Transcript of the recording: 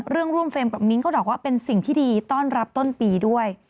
ร่วมเฟรมกับมิ้งเขาบอกว่าเป็นสิ่งที่ดีต้อนรับต้นปีด้วย